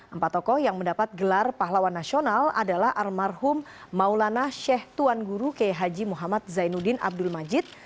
empat tokoh yang mendapat gelar pahlawan nasional adalah almarhum maulana sheikh tuan guru k h muhammad zainuddin abdul majid